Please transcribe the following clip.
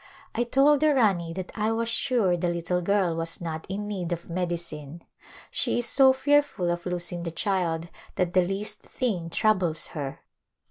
I told the Rani that I was sure the little girl was not in need of medicine. She is so fearful of losing the child that the least thing troubles her.